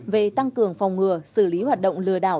về tăng cường phòng ngừa xử lý hoạt động lừa đảo